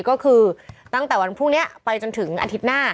ก็คือตั้งแต่วันพรุ่งนี้ไปจนถึงอาทิตย์หน้า